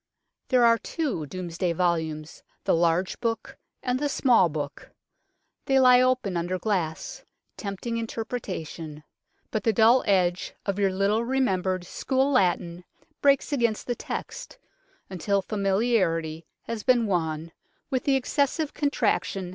There are two Domesday volumes, the large book and the small book. They lie open under glass, tempting interpretation, but the dull edge of your little remembered school Latin breaks against the text, until familiarity has been won with the excessive contraction